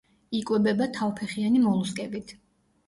იკვებება თავფეხიანი მოლუსკებით.